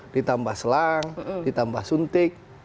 ditambah selang ditambah suntik